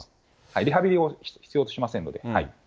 リハビリを必要としませんので。